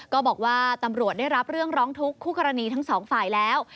ก็บอกว่าตำรวจได้รับเรื่องร้องทุกข์คู่กรณีทั้งสองฝ่ายแล้ว